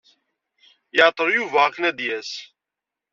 Iɛeḍḍel Yuba akken ad d-yas.